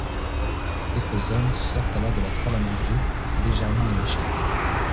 Les autres hommes sortent alors de la salle à manger, légèrement éméchés.